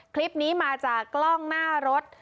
คลิปนี้มาจากกล้องหน้ารถ